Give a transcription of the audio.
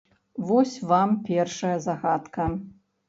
Вось вам першая загадка.